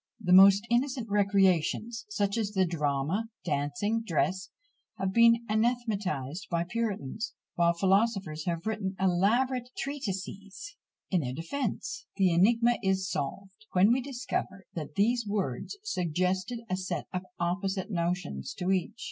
The most innocent recreations, such as the drama, dancing, dress, have been anathematised by puritans, while philosophers have written elaborate treatises in their defence the enigma is solved, when we discover that these words suggested a set of opposite notions to each.